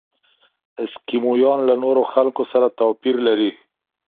اسکیمویان له نورو خلکو سره توپیر لري.